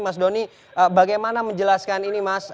mas doni bagaimana menjelaskan ini mas